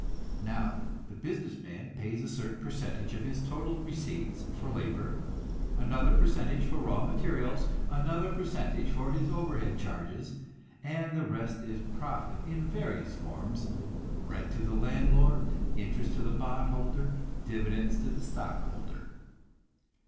Now, the business man pays a certain percentage of his total receipts for labor, another percentage for raw materials, another percentage for his overhead charges, and the rest is profit in various forms, rent to the landlord, interest to the bondholder, dividends to the stockholder.